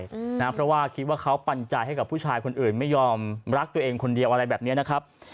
เพราะว่าคิดว่าเขาปัญญาให้กับผู้ชายคนอื่นไม่ยอมรักตัวเองคนเดียวอะไรแบบเนี้ยนะครับ